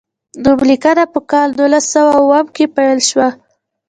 نوم لیکنه په کال نولس سوه اووم کې پیل شوه.